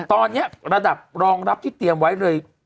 ตอนนี้ระดับรองรับที่เตรียมไว้เลย